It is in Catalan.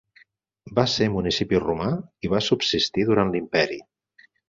Va ser municipi romà, i va subsistir durant l'imperi.